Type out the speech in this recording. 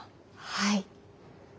はい。